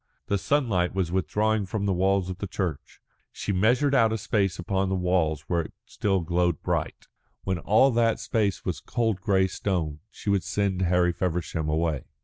The sunlight was withdrawing from the walls of the church. She measured out a space upon the walls where it still glowed bright. When all that space was cold grey stone, she would send Harry Feversham away.